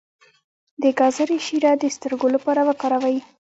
د ګازرې شیره د سترګو لپاره وکاروئ